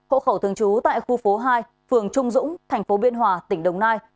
hộ khẩu thương chú tại khu phố hai phường trung dũng thành phố biên hòa tỉnh đông nai